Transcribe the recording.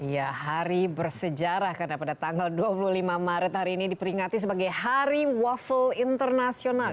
ya hari bersejarah karena pada tanggal dua puluh lima maret hari ini diperingati sebagai hari waffle internasional